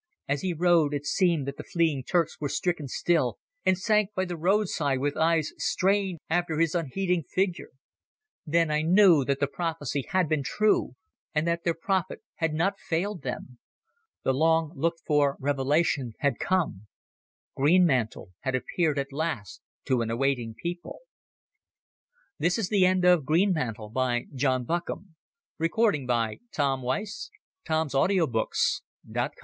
As he rode it seemed that the fleeing Turks were stricken still, and sank by the roadside with eyes strained after his unheeding figure ... Then I knew that the prophecy had been true, and that their prophet had not failed them. The long looked for revelation had come. Greenmantle had appeared at last to an awaiting people. END OF THE PROJECT GUTENBERG EBOOK GREENMANTLE This file should be named 559 0.